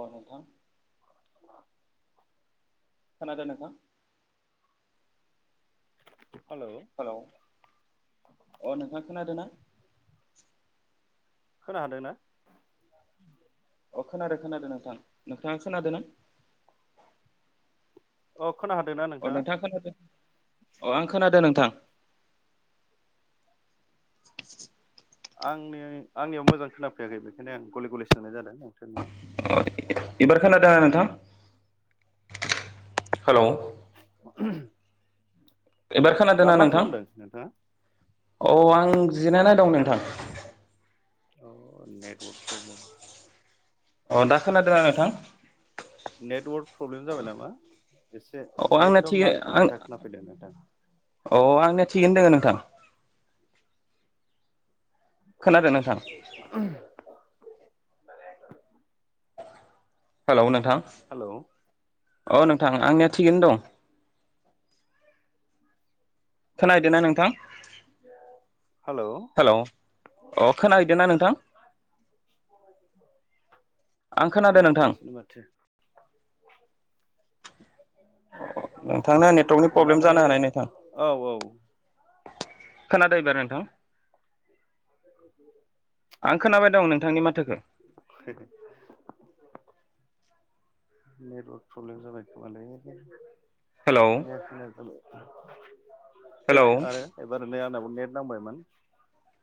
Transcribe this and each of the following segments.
अ नोथां खोनादो नोंथां हेलौ हेल' अ नोंथाङा खोनादों ना खोना हादोंना अ खोनादों खोनादों नोंथां नोंथा खोनादों न अक अ नोंथां खोनादों अ आं खोनादों नोंथां आंनि आंनियाव मोजां खोनाफैयाखै बेखायनो आं गले गले सोंनाय जादों नोंथांनियाव। औ इबार खोनादों नोंथां हेल' [unintelligible] एबार दा खोनादोंना मा नोंथां खालामदों नोंथाङा? औ आं जि नाय दं नों आथ औ नेटवर्क प्रब्लेम अ दा खोनादों नोंथां नेटवर्क प्रब्लेम जाबाय नामा एसे अ आंनाया एकदम थिगै नांथा आं नांथा खोनाफैदों नोंथां औ आंनिया थिगैनो दोङो नोंथां खोनादों नोंथां हेलौ नोंथां हेलौ अ नोंथां आंनिया थिगैनो दं खोनहैदो ना नोंथां हेलौ हेलौ अ खोनाहैदों ना नोंथां आं खोनादों नोंथां खोनाफैयासैनो माथो [inaudible] नोंथांना नेटवर्कनि प्रब्लेम अननानै जानो औ औ खोनादो एबार नोंथां [inaudible] आं खोनाबाय दं नोंथांनि मा [unintelligible] नेटवर्क प्रब्लेम जाबायखोमालै। खोनाया हेलौ खोना‌या जाबाय। हेलौ देलाय आरो एबार ओै आंनाव नेट नांबायमोन।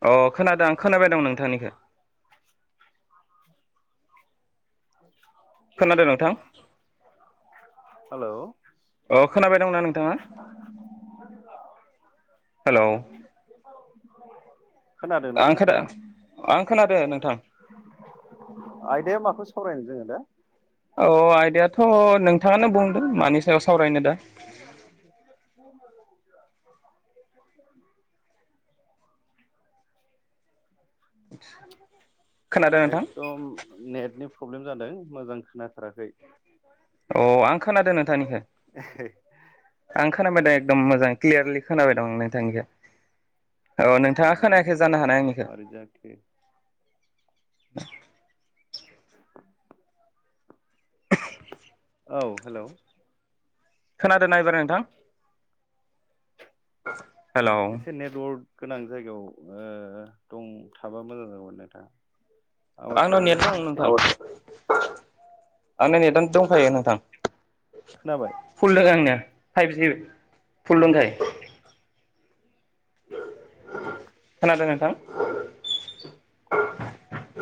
अ खोनादों खोनाबाय दं नोंथांनिखौ। खोनादों नोंथां हेलौ अ खोनाबाय दंना नोंथाङा हेलौ खोनादोंना आं खोना‌ नोंथाङा? आं खोनादो नोंथां। आयदाया माखौ सावरायनो जोंङो दा औ आयदायथ नों थांङानो बुंदों मानि साव [inaudible] [inaudible] [inaudible] एकदम नेटनि प्रब्लेम जादों मोजां खोनाथाराखै। अ आं खोनादों नों थांनिखो आं‌ खो नाबाय दं एकदम मोजां क्लियारलि खोनाबाय दंं नोंथांनिखो औ नोंथाङा खोनायाखै जानो हानाय आंनिखो [inaudible] मारै जाखो [inaudible] औ हेलौ खोनादोना एबार नोंथां? हेलौ एसे नेटवर्क गोनां जायगायाव ओ दं थाबा मोजां जागौमोन नोंथांङा। आंना नेट दं नोंथां औस आंना नेटआनो दंखायो नोंथां। खोनाबाय फुल दोङो आंनिया फाइबजि। फुल दंखाय खोनादों नोंथां? [inaudible]